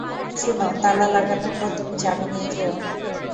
শুনো, তালা লাগানোর পর, তুমি চাবি নিয়ে নিয়ো।